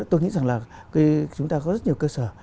tôi nghĩ rằng là chúng ta có rất nhiều cơ sở